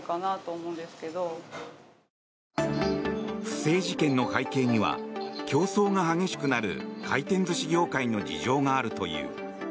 不正事件の背景には競争が激しくなる回転寿司業界の事情があるという。